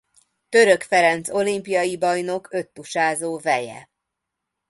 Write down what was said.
Török Ferenc olimpiai bajnok öttusázó veje.